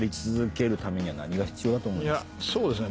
そうですね